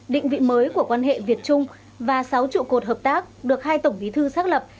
định vị mới của quan hệ việt trung và sáu trụ cột hợp tác được hai tổng bí thư xác lập